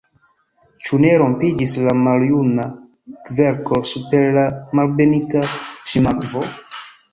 Ĉu ne rompiĝis la maljuna kverko super la Malbenita Ŝlimakvo?